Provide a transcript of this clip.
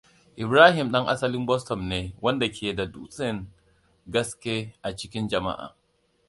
Ibrahim ɗan asalin Boston ne wanda ke da tushen gaske a cikin jama'a.